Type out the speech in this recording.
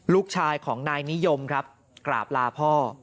ลูกชายของนายนิยมครับกราบลาพ่อ